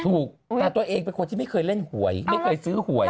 ถูกแต่ตัวเองเป็นคนที่ไม่เคยเล่นหวยไม่เคยซื้อหวย